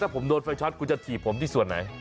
ผมโดนไฟช็อตกูจะถีบผมที่ส่วนไหน